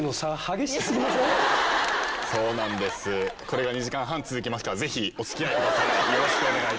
これが２時間半続きますからぜひお付き合いください。